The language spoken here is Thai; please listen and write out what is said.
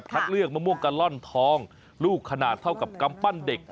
เลือกมะม่วงกะล่อนทองลูกขนาดเท่ากับกำปั้นเด็ก